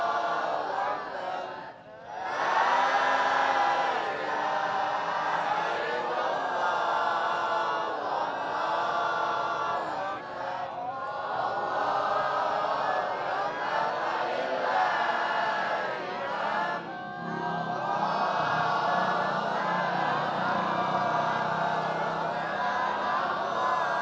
awas austro istrik pada